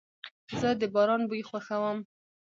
زه د باران بوی خوښوم.